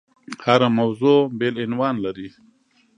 هره موضوع بېل عنوان لري.